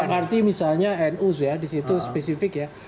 seperti misalnya nuz ya disitu spesifik ya